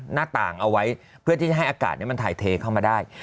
หน้าต่างเอาไว้เพื่อที่จะให้อากาศมันถ่ายเทเข้ามาได้